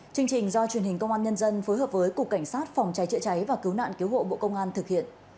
chương trình do truyền hình công an nhân dân phối hợp với cục cảnh sát phòng cháy chữa cháy và cứu nạn cứu hộ bộ công an thực hiện